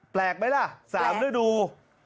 แปลกไหมล่ะ๓ฤดู